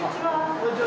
こんにちは。